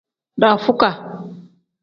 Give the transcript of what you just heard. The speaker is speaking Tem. Dafukaa.